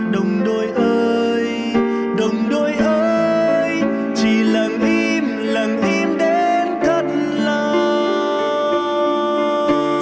đồng đội ơi đồng đội ơi chỉ lặng im lặng im đến thất lòng